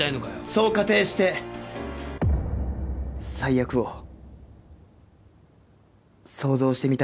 そう仮定して最悪を想像してみたらわかる。